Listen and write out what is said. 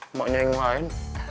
emaknya yang lain